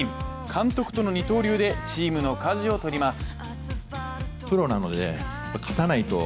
監督との二刀流でチームのかじを取ります。